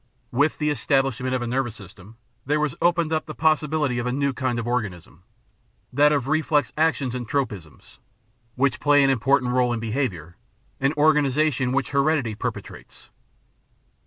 "With the establishment of a nervous system there was opened up the possibility of a new kind of organisation — that of reflex actions and tropisms, which play an important role in behaviour, an organisation which heredity perpetuates."